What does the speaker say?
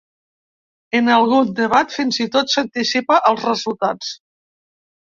En algun debat fins i tot s’anticipa als resultats.